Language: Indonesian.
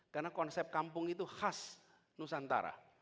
karena konsep kampung itu khas nusantara